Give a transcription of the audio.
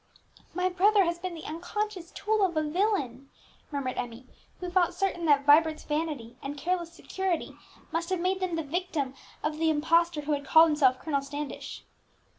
"My brother has been the unconscious tool of a villain!" murmured Emmie, who felt certain that Vibert's vanity and careless security must have made him the victim of the impostor who had called himself Colonel Standish.